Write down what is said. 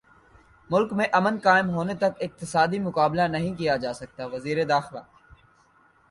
ملک میں امن قائم ہونےتک اقتصادی مقابلہ نہیں کیاجاسکتاوزیرداخلہ